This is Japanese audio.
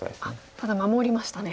ただ守りましたね。